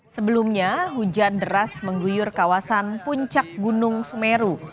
sebelumnya hujan deras mengguyur kawasan puncak gunung semeru